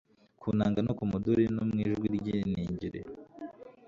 ku nanga no ku muduri, no mu ijwi ry'iningiri